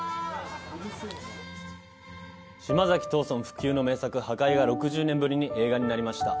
不朽の名作『破戒』が６０年ぶりに映画になりました。